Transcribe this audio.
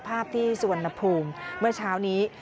ภาพที่สุวรรณภูมิเมื่อเช้านี้